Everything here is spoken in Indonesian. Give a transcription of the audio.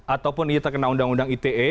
ataupun ia terkena undang undang ite